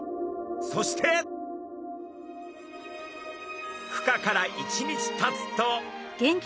そしてふ化から１日たつと。